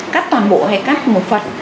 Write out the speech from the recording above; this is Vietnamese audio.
cắt toàn bộ hay cắt một phần